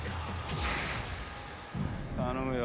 頼むよ！